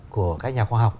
của các nhà khoa học